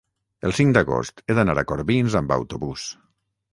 el cinc d'agost he d'anar a Corbins amb autobús.